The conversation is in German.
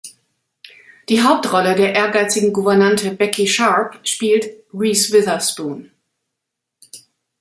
Die Hauptrolle der ehrgeizigen Gouvernante Becky Sharp spielt Reese Witherspoon.